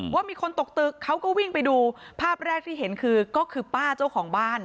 ว่ามีคนตกตึกเขาก็วิ่งไปดูภาพแรกที่เห็นคือก็คือป้าเจ้าของบ้าน